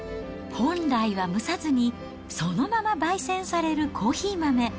本来は蒸さずに、そのままばい煎されるコーヒー豆。